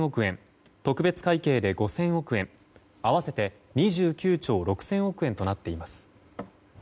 特別会計で５０００億円合わせて２９兆６０００億円となっています。